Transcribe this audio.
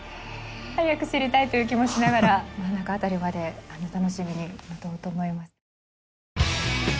早く知りたいという気もしながら真ん中あたりまで楽しみに待とうと思います。